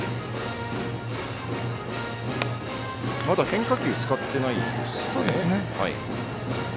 まだ変化球使っていないですね。